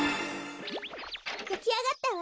やきあがったわ。